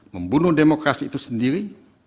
membunuh demokrasi itu sendiri